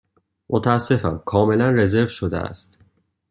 متأسفم، کاملا رزرو شده است.